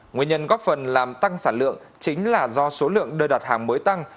nguyên nhân góp phần làm tăng sản lượng chính là do số lượng đơn đặt hàng mới tăng